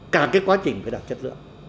cả cái quá trình phải đạt chất lượng